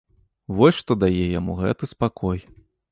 Вось што дае яму гэты спакой!